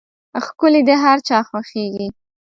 ښکلي د هر چا خوښېږي.